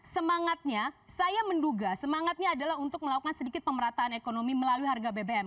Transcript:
semangatnya saya menduga semangatnya adalah untuk melakukan sedikit pemerataan ekonomi melalui harga bbm